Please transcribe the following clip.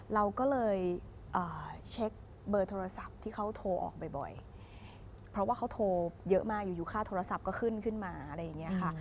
เราก็เลยเช็คเบอร์โทรศัพท์ที่เขาโทรออกบ่อยเพราะว่าเขาโทรเยอะมากอยู่ค่าโทรศัพท์ก็ขึ้นขึ้นมาอะไรอย่างนี้ค่ะ